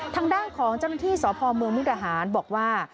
ทางด้านของเจ้าหน้าที่สพเมืองมุกดาหารบอกว่า